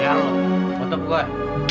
ayah mau tepuk kue